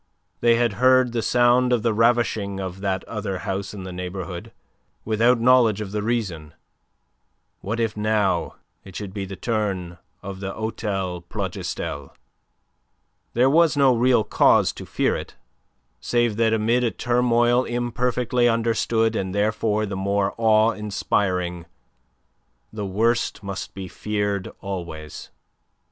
They had heard the sound of the ravishing of that other house in the neighbourhood, without knowledge of the reason. What if now it should be the turn of the Hotel Plougastel! There was no real cause to fear it, save that amid a turmoil imperfectly understood and therefore the more awe inspiring, the worst must be feared always.